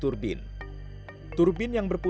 turbin yang berputar tidak akan berjalan